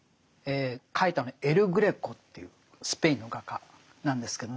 描いたのはエル・グレコというスペインの画家なんですけどね。